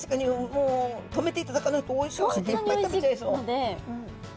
もう止めていただかないとおいしくていっぱい食べちゃいそう。